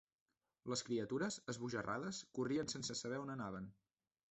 Les criatures, esbojarrades, corrien sense saber on anaven.